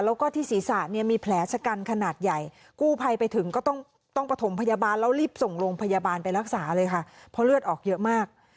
แล้วก็ที่ศีรษะเนี่ยมีแผลชะกันขนาดใหญ่กู้ภัยไปถึงก็ต้องประถมพยาบาลแล้วรีบส่งโรงพยาบาลไปรักษาเลยค่ะเพราะเลือดออกเยอะมาก